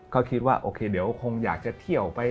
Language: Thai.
ก็คิดว่าโอเคเดี๋ยวคงอยากจะเที่ยวไป